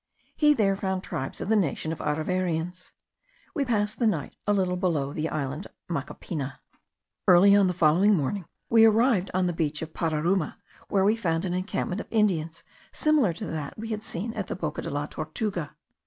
He there found tribes of the nation of Areverians. We passed the night a little below the island Macapina. Early on the following morning we arrived at the beach of Pararuma, where we found an encampment of Indians similar to that we had seen at the Boca de la Tortuga.